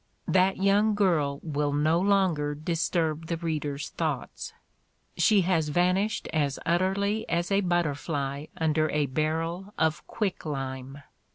That young girl will no longer disturb the reader's thoughts! She has vanished as utterly as a butterfly under a barrel of quicklime.